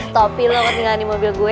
tepi lo kok tinggal di mobil gue